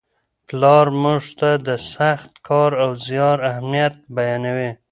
پلار موږ ته د سخت کار او زیار اهمیت بیانوي.